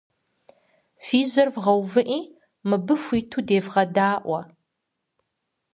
Фи жьэр вгъэувыӏи мыбы хуиту девгъэдаӏуэ.